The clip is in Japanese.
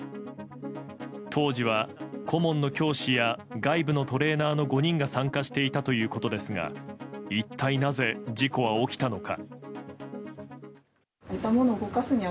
当時は顧問の教師や外部のトレーナーの５人が参加していたということですが一体なぜ事故は起きたのか。